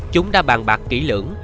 chúng đã bàn bạc kỹ lưỡng